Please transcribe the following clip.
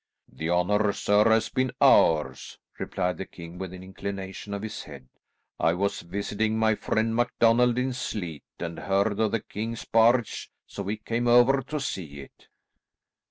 "The honour, sir, has been ours," replied the king with an inclination of his head. "I was visiting my friend MacDonald in Sleat and heard of the king's barge, so we came over to see it."